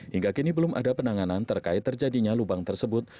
hingga kini belum ada penanganan terkait terjadinya lubang tersebut